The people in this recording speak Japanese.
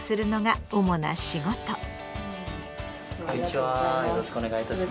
こんにちはよろしくお願いいたします。